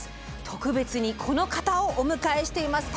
特別にこの方をお迎えしています。